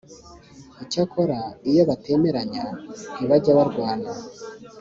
Icyakora iyo batemeranya ntbajya barwana